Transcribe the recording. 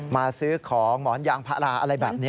มาซื้อของหมอนยางพาราอะไรแบบนี้